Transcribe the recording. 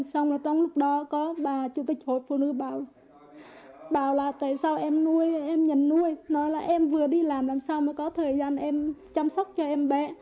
xong là trong lúc đó có bà chủ tịch hội phụ nữ bảo bảo là tại sao em nuôi em nhận nuôi nói là em vừa đi làm làm sao mới có thời gian em chăm sóc cho em bé